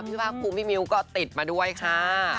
คือว่าคุณพี่มิวก็ติดมาด้วยค่ะค่ะค่ะ